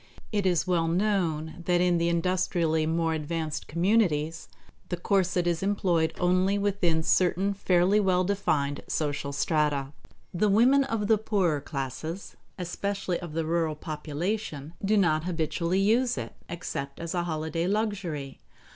It is well known that in the industrially more advanced communities the corset is employed only within certain fairly well defined social strata. The women of the poorer classes, especially of the rural population, do not habitually use it, except as a holiday luxury.